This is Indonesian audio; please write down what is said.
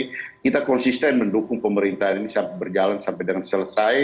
jadi kita konsisten mendukung pemerintahan ini sampai berjalan sampai dengan selesai